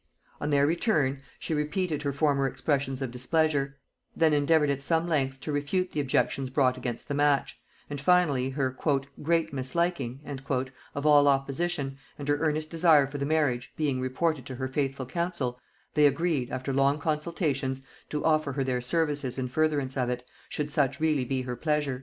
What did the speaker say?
On their return, she repeated her former expressions of displeasure; then endeavoured at some length to refute the objections brought against the match; and finally, her "great misliking" of all opposition, and her earnest desire for the marriage, being reported to her faithful council, they agreed, after long consultations, to offer her their services in furtherance of it, should such really be her pleasure.